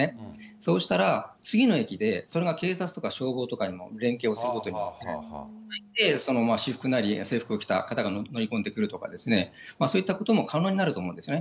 そうしたら、次の駅で、それが警察とか消防とかにも連携をすることによって、私服なり制服を着た方が乗り込んでくるとかですね、そういったことも可能になると思うんですね。